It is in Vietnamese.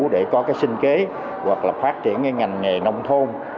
để có cái sinh kế hoặc là phát triển cái ngành nghề nông thôn